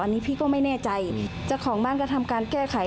อันนี้พี่ก็ไม่แน่ใจเจ้าของบ้านก็ทำการแก้ไข